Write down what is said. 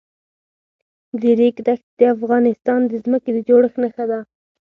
د ریګ دښتې د افغانستان د ځمکې د جوړښت نښه ده.